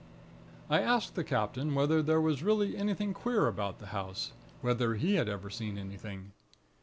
"I asked the captain whether there was really anything queer about the house; whether he had ever seen anything.